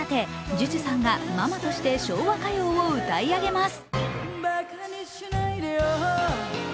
ＪＵＪＵさんがママとして昭和歌謡を歌い上げます。